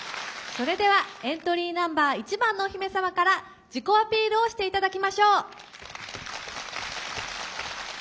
それではエントリーナンバー１番のお姫様から自己アピールをしていただきましょう。